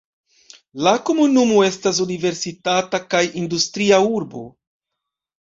La komunumo estas universitata kaj industria urbo.